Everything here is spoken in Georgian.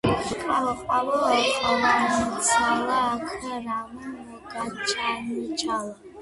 ყვავო, ყვავო, ყვანჩალა, აქ რამ მოგაჩანჩალა?